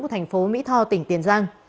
của thành phố mỹ tho tỉnh tiền giang